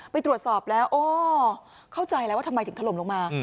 ไปตรวจสอบแล้วโอ้เข้าใจแล้วว่าทำไมถึงถล่มลงมา